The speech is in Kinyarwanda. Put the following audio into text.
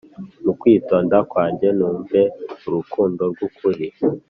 Mu kwitonda kwanjye numve Urukundo rw'ukuri.